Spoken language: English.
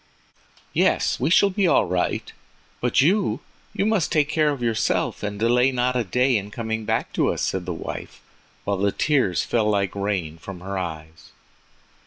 "Yes, we shall be all right—but you—you must take care of yourself and delay not a day in coming back to us," said the wife, while the tears fell like rain from her eyes.